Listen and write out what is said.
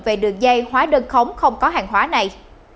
về đường dây khóa đơn khống không có hàng khóa này